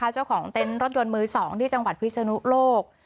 เจ้าของเต็นต์รถยนต์มือ๒ที่จังหวัดพิศนุโลก